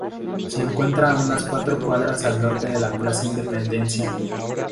Se encuentra a unas cuatro cuadras al norte de la Plaza Independencia.